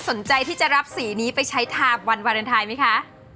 สนใจที่จะรับสีนี้ไปใช้ทาบวันวาเลนไทยไหมคะ